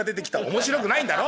「面白くないんだろ？